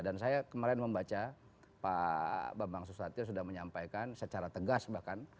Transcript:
dan saya kemarin membaca pak bambang susatyo sudah menyampaikan secara tegas bahkan